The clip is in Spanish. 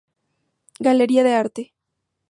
Galería de Arte.